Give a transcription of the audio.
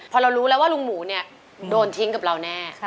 พอเรารู้แล้วว่าลุงหมูเนี่ยโดนทิ้งกับเราแน่